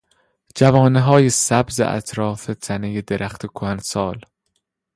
جوانههای سبز اطراف تنهی درخت کهنسال